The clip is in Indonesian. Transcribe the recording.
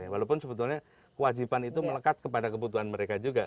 walaupun sebetulnya kewajiban itu melekat kepada kebutuhan mereka juga